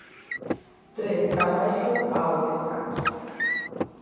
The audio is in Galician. Tres abaixo ao descanso.